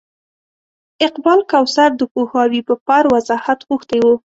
اقبال کوثر د پوهاوي په پار وضاحت غوښتی و.